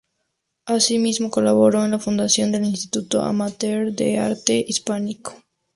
Asimismo, colaboró en la fundación del Instituto Amatller de Arte Hispánico.